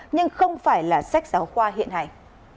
nhưng không phải là sách giáo khoa hiện hành